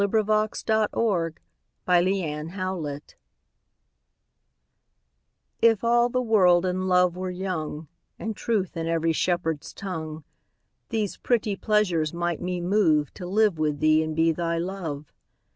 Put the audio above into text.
Her Reply (Written by Sir Walter Raleigh) IF all the world and love were young, And truth in every shepherd's tongue, These pretty pleasures might me moveTo live with thee and be thy Love.